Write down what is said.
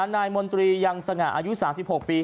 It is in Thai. นายมนตรียังสง่าอายุ๓๖ปี